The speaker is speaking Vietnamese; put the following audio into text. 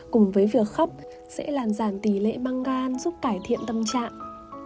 cùng với việc khóc sẽ làm giảm tỷ lệ mangan giúp cải thiện tâm trạng